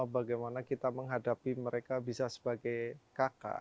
bagaimana kita menghadapi mereka bisa sebagai kakak